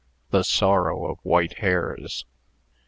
THE SORROW OF WHITE HAIRS.